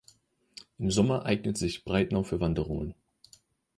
Im Sommer eignet sich Breitnau für Wanderungen.